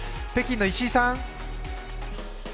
北京の石井さん！